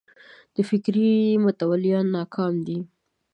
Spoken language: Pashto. د فکر متولیان ناکام دي